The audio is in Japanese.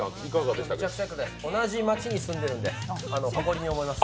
同じ街に住んでいるので、誇りに思います